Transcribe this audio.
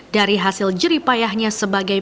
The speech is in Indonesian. dari hasil jeripayahnya sebagai